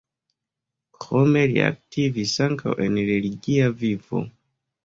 Krome li aktivis ankaŭ en religia vivo.